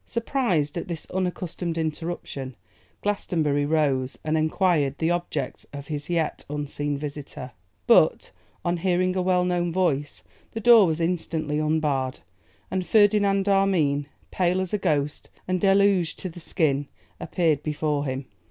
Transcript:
Surprised at this unaccustomed interruption, Glastonbury rose, and enquired the object of his yet unseen visitor; but, on hearing a well known voice, the door was instantly unbarred, and Ferdinand Armine, pale as a ghost and deluged to the skin, appeared before him.